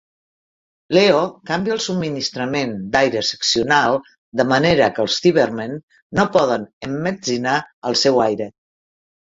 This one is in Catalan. Leo canvia el subministrament d'aire seccional, de manera que els Cybermen no poden emmetzinar el seu aire.